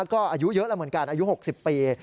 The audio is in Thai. ก็อายุเยอะแล้วเหมือนกันอายุ๖๐ปี